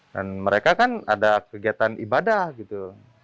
dan mereka kan ada kegiatan ibadah gitu